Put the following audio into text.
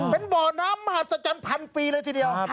เป็นบ่อน้ำมหัศจรรย์พันปีเลยทีเดียว